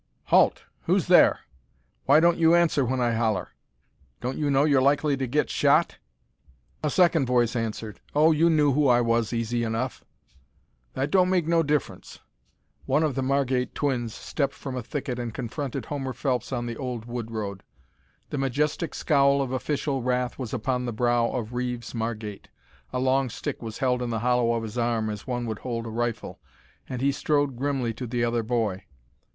"Halt! Who's there? Why don't you answer when I holler? Don't you know you're likely to get shot?" A second voice answered, "Oh, you knew who I was easy enough." "That don't make no diff'rence." One of the Margate twins stepped from a thicket and confronted Homer Phelps on the old wood road. The majestic scowl of official wrath was upon the brow of Reeves Margate, a long stick was held in the hollow of his arm as one would hold a rifle, and he strode grimly to the other boy.